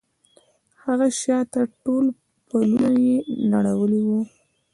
هغه شاته ټول پلونه يې نړولي وو.